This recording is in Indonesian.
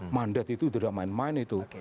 mandat itu tidak main main itu